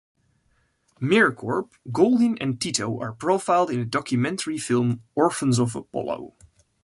MirCorp, Goldin and Tito are profiled in the documentary film "Orphans of Apollo".